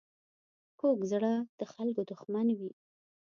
کوږ زړه د خلکو دښمن وي